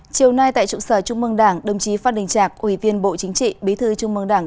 chiều nay tại trụ sở trung mương đảng đồng chí phan đình trạc ủy viên bộ chính trị bí thư trung mương đảng